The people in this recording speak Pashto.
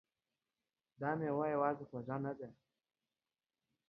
دا میوه نه یوازې خوږه ده